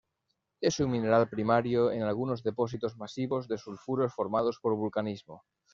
Es un mineral primario en algunos depósitos masivos de sulfuros formados por vulcanismo.